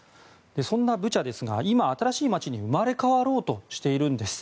そんなブチャですが今新しい街に生まれ変わろうとしてるんです。